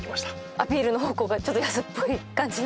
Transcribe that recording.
アピールの方向がちょっと安っぽい感じが。